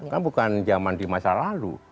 kan bukan zaman di masa lalu